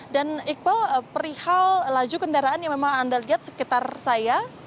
dan iqbal perihal laju kendaraan yang memang anda lihat sekitar saya